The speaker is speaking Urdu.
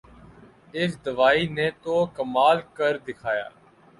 اس دوائی نے تو کمال کر دکھایا